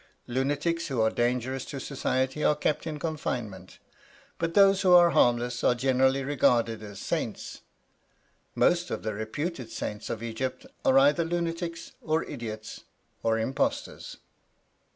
Lunatics who are dangerous to society are kept in confinement; but those who are harmless are generally regarded as saints. _Most of the reputed saints of Egypt are either lunatics, or idiots, or impostors.